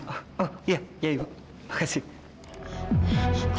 oh iya iya ibu terima kasih